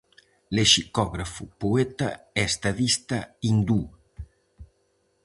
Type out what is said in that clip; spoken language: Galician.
Lexicógrafo, poeta e estadista hindú.